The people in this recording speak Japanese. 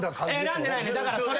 選んでないって。